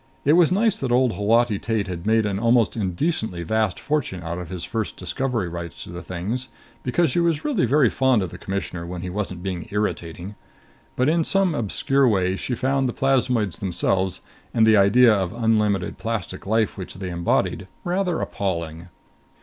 It was nice that old Holati Tate had made an almost indecently vast fortune out of his first discovery rights to the things, because she was really very fond of the Commissioner when he wasn't being irritating. But in some obscure way she found the plasmoids themselves and the idea of unlimited plastic life which they embodied rather appalling.